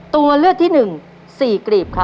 ตัวเลือกที่หนึ่ง๔กลีบค่ะ